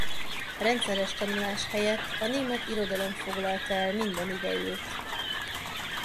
Rendszeres tanulás helyett a német irodalom foglalta el minden idejét.